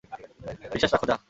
বিশ্বাস রাখ, যা।